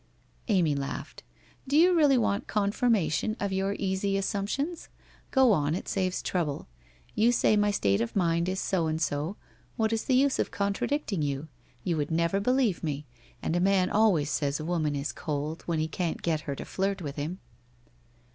Amy laughed. ' Do you really want confirmation of your easy assumptions? Go on, it saves trouble. You say my state of mind is so and so, what is the use of contradicting you? You would never believe me. And a man always says a woman is cold, when he can't get her to flirt with him.'